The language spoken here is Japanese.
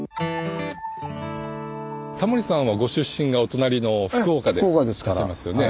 タモリさんはご出身がお隣の福岡でいらっしゃいますよね。